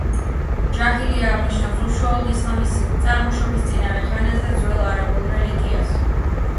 ჯაჰილია აღნიშნავს უშუალოდ ისლამის წარმოშობის წინარე ხანას და ძველ არაბულ რელიგიას.